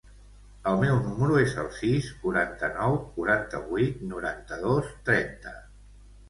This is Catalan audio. El meu número es el sis, quaranta-nou, quaranta-vuit, noranta-dos, trenta.